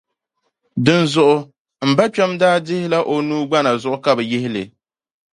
Dinzuɣu, M-bakpɛm daa dihi la o nuu gbana zuɣu ka bɛ yihi li